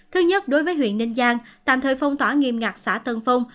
thứ nhất đối với huyện ninh giang tạm thời phong tỏa nghiêm ngặt xã tân phong